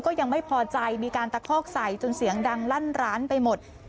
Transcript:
ยังไม่พอใจมีการตะคอกใส่จนเสียงดังลั่นร้านไปหมด